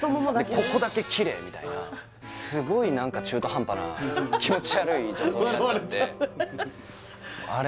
ここだけキレイみたいなすごい何か中途半端な気持ち悪い女装になっちゃってあれ